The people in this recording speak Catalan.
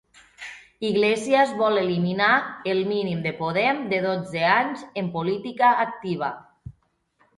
Iglesias vol eliminar el mínim de Podem de dotze anys en política activa.